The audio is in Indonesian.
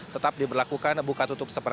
tetap diberlakukan buka tutup